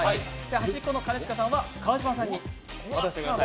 端っこの兼近さんは川島さんに渡してください。